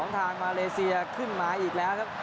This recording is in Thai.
ทางมาเลเซียขึ้นมาอีกแล้วครับ